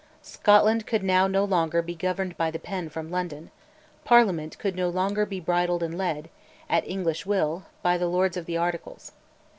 Scotland could now no longer be "governed by the pen" from London; Parliament could no longer be bridled and led, at English will, by the Lords of the Articles.